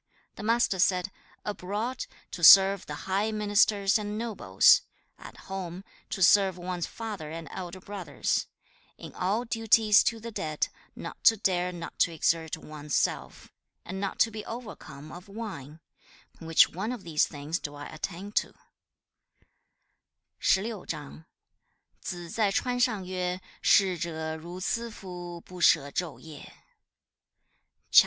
The Master said, 'Abroad, to serve the high ministers and nobles; at home, to serve one's father and elder brothers; in all duties to the dead, not to dare not to exert one's self; and not to be overcome of wine: which one of these things do I attain to?' CHAP.